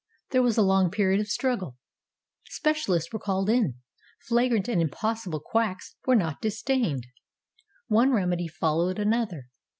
There was a long period of struggle. Specialists were called in; flagrant and im possible quacks were not disdained. One remedy followed another.